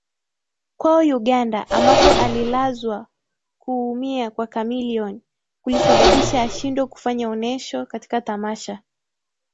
kwao Uganda ambako alilazwa Kuumia kwa Chameleone kulisababisha ashindwe kufanya onesho katika tamasha